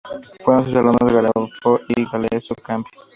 Fueron sus alumnos Garofalo y Galeazzo Campi.